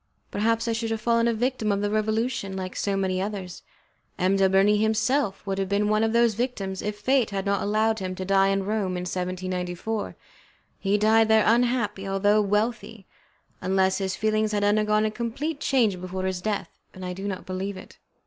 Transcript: Perhaps I should have fallen a victim of the Revolution, like so many others. M. de Bernis himself would have been one of those victims if Fate had not allowed him to die in Rome in 1794. He died there unhappy, although wealthy, unless his feelings had undergone a complete change before his death, and I do not believe it.